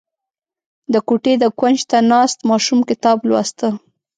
• د کوټې د کونج ته ناست ماشوم کتاب لوسته.